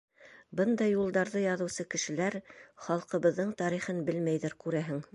Бындай юлдарҙы яҙыусы кешеләр халҡыбыҙҙың тарихын белмәйҙер, күрәһең.